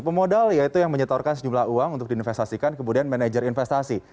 pemodal yaitu yang menyetorkan sejumlah uang untuk diinvestasikan kemudian manajer investasi